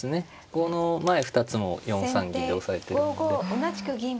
この前２つも４三銀で押さえてるんで。